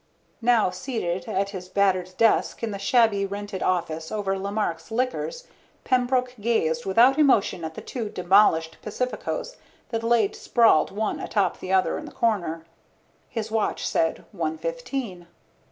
Now, seated at his battered desk in the shabby rented office over Lemark's Liquors, Pembroke gazed without emotion at the two demolished Pacificos that lay sprawled one atop the other in the corner. His watch said one fifteen.